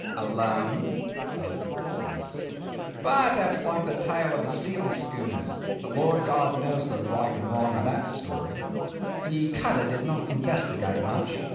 Alone? Of course. But that's like that tale of sealing schooners; the Lord God knows the right and the wrong of that story. The cutter did not investigate much.